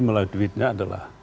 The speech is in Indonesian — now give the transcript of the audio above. melalui duitnya adalah